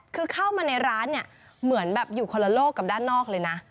คือเข้ามาในร้านเนี่ยเหมือนแบบอยู่คนละโลกกับด้านนอกเลยนะ